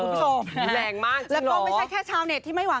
แแสงมากจริงหรอ